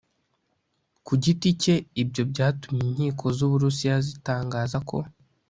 ku giti cye ibyo byatumye inkiko z u burusiya zitangaza ko